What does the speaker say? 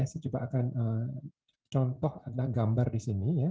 saya coba akan contoh adalah gambar di sini ya